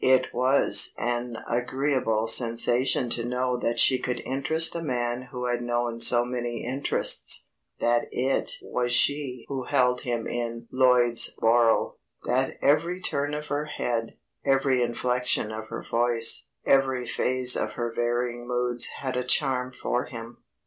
It was an agreeable sensation to know that she could interest a man who had known so many interests; that it was she who held him in Lloydsboro; that every turn of her head, every inflection of her voice, every phase of her varying moods had a charm for him.